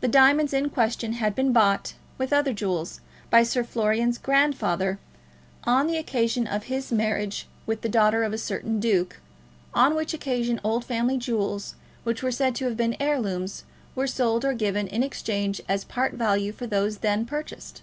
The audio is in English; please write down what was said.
The diamonds in question had been bought, with other jewels, by Sir Florian's grandfather, on the occasion of his marriage with the daughter of a certain duke, on which occasion old family jewels, which were said to have been heirlooms, were sold or given in exchange as part value for those then purchased.